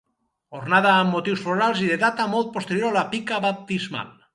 Ornada amb motius florals i de data molt posterior a la pica baptismal.